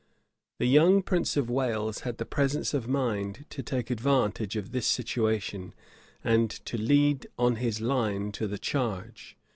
The young prince of Wales had the presence of mind to take advantage of this situation, and to lead on his line to the charge.